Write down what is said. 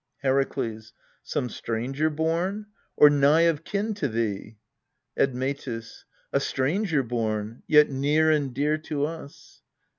Heraklcs. Some stranger born, or nigh of kin to thee? Admctus. A stranger born ; yet near and dear to us.